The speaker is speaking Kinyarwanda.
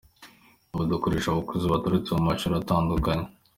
Ubu dukoresha abakozi baturutse mu mashuri atandukanye.